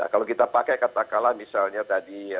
kalau kita pakai kata kalah misalnya tadi